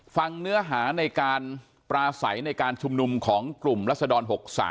ฟังเนื้อหาในการปราศัยจุมหนุ่มของกลุ่มรัศดร๖๓